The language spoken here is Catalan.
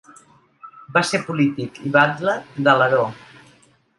Va ser polític i batle d'Alaró.